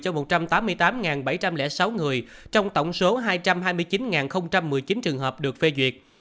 cho một trăm tám mươi tám bảy trăm linh sáu người trong tổng số hai trăm hai mươi chín một mươi chín trường hợp được phê duyệt